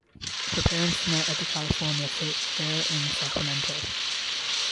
Her parents met at the California State Fair in Sacramento.